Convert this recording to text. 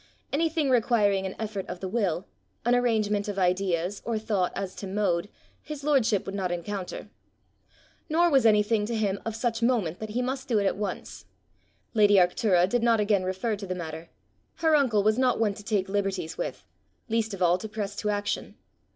Anything requiring an effort of the will, an arrangement of ideas, or thought as to mode, his lordship would not encounter. Nor was anything to him of such moment that he must do it at once. Lady Arctura did not again refer to the matter: her uncle was not one to take liberties with least of all to press to action.